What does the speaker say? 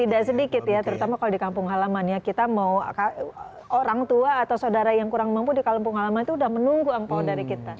tidak sedikit ya terutama kalau di kampung halaman ya kita mau orang tua atau saudara yang kurang mampu di kampung halaman itu sudah menunggu angpao dari kita